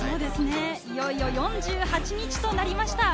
いよいよ４８日となりました。